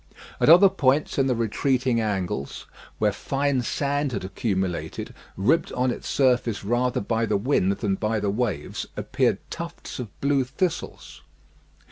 At other points in the retreating angles, where fine sand had accumulated, ribbed on its surface rather by the wind than by the waves, appeared tufts of blue thistles.